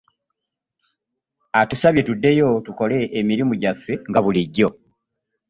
Atusabye tuddeyo tukole emirimu gyaffe nga bulijjo.